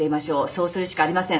そうするしかありません。